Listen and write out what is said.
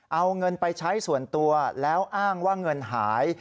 เอาเงินไปใช้ส่วนตัวแล้วอ้างว่าเงินหาย